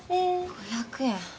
５００円。